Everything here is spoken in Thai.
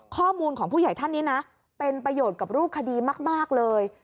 ข้อมูลของผู้ใหญ่ท่านนี้นะเป็นประโยชน์กับรูปคดีมากเลย